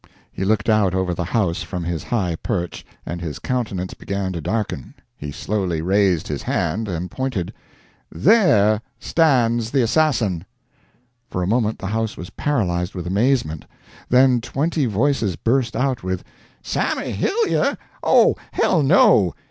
He looked out over the house from his high perch, and his countenance began to darken; he slowly raised his hand, and pointed "There stands the assassin!" For a moment the house was paralyzed with amazement; then twenty voices burst out with: "Sammy Hillyer? Oh, hell, no!